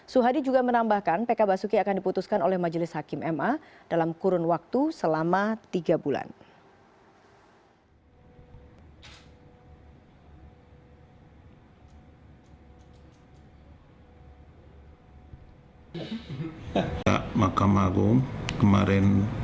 suhadi juga menambahkan pk basuki akan diputuskan oleh majelis hakim ma dalam kurun waktu selama tiga bulan